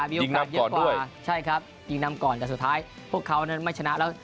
ยิงนำก่อนด้วยใช่ครับยิงนำก่อนแต่สุดท้ายพวกเขานั้นไม่ชนะแล้ว